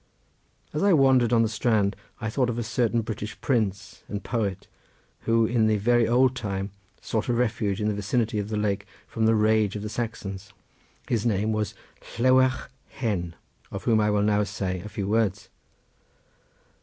As I wandered on the strand I thought of a certain British prince and poet, who in the very old time sought a refuge in the vicinity of the lake from the rage of the Saxons. His name was Llewarch Hen, of whom I will now say a few words.